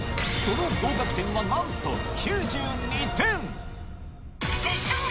その合格点はなんと９２点『熱唱！